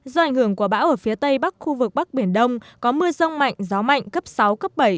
do ảnh hưởng của bão ở phía tây bắc khu vực bắc biển đông có mưa rông mạnh gió mạnh cấp sáu cấp bảy